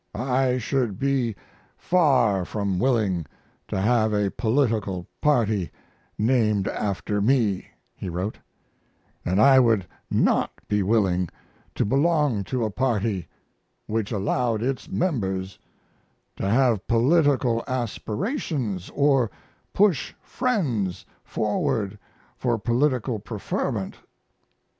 "I should be far from willing to have a political party named after me," he wrote, "and I would not be willing to belong to a party which allowed its members to have political aspirations or push friends forward for political preferment."